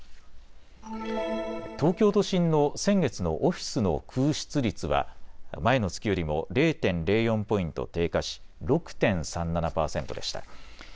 東京都心の先月のオフィスの空室率は前の月よりも０．０４ポイント低下し６．３７％でした。